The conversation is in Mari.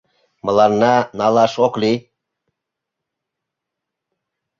Мыланна налаш ок лий.